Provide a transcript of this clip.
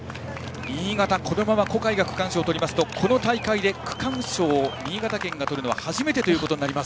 新潟、このまま小海が区間賞をとりますとこの大会で区間賞を新潟県がとるのは初めてということになります。